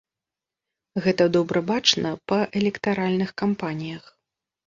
Гэта добра бачна па электаральных кампаніях.